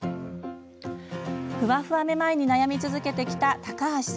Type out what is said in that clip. フワフワめまいに悩み続けてきた高橋さん。